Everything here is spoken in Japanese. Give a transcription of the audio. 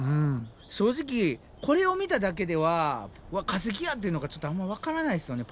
正直これを見ただけでは「わっ化石や！」っていうのがちょっとあんま分からないですよね